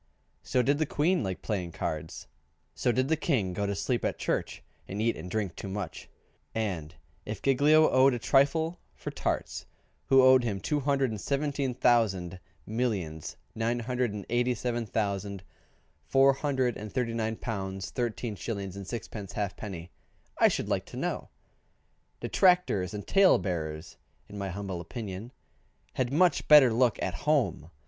So did the Queen like playing cards; so did the King go to sleep at church, and eat and drink too much; and if Giglio owed a trifle for tarts, who owed him two hundred and seventeen thousand millions, nine hundred and eighty seven thousand, four hundred and thirty nine pounds thirteen shillings and sixpence halfpenny, I should like to know? Detractors and tale bearers (in my humble opinion) had much better look at home.